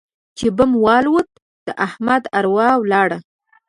چې بم والوت؛ د احمد اروا ولاړه.